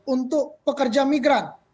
untuk pekerja migran